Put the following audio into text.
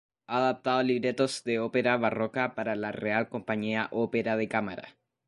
Ha adaptado libretos de ópera barroca para la Real Compañía Ópera de Cámara.